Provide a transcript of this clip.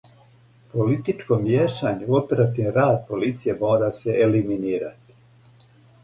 Политичко мијешање у оперативни рад полиције мора се елиминирати.